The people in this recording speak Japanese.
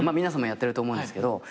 皆さんもやってると思うんですけど。